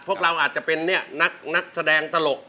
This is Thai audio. พวกเราอาจจะเป็นนักแสดงตลก